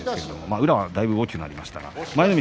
宇良はだいぶ大きくなりましたが。